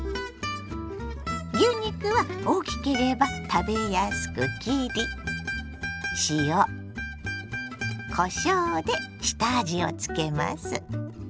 牛肉は大きければ食べやすく切り下味をつけます。